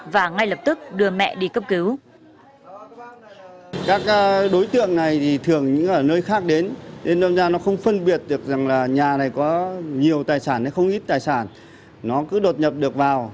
và ngay lập tức đưa mẹ đi cấp cứu